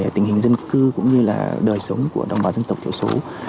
tình hình dân cư cũng như là đời sống của đồng bào dân tộc thiểu số